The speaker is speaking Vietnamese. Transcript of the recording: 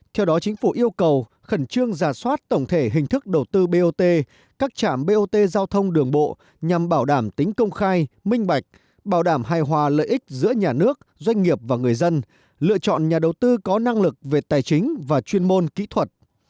theo đó chính phủ yêu cầu khẩn trương giả soát tổng thể hình thức đầu tư bot các trảm bot giao thông đường bộ nhằm bảo đảm tính công khai minh bạch bảo đảm hài hòa lợi ích giữa nhà nước doanh nghiệp và người dân lựa chọn nhà đầu tư có năng lực về tài chính và chuyên môn kỹ thuật